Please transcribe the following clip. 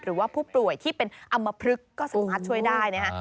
หรือว่าผู้ป่วยที่เป็นอำมพลึกก็สามารถช่วยได้นะฮะ